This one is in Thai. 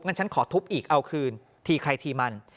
ฉันขอทุบอีกเอาคืนทีใครทีมัน